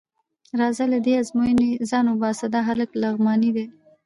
راځه له دې ازموینې ځان وباسه، دا هلک لغمانی دی.